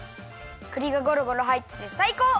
くりがゴロゴロはいっててさいこう！